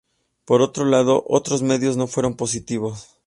Por otro lado, otros medios no fueron positivos.